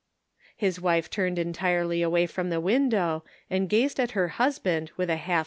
His wife turned entirety away from the win dow and gazed at her husband with a half Measured in Prose.